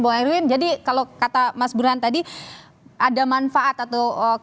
bung erwin jadi kalau kata mas burhan tadi ada manfaat atau kemudian golkar memanfaatkan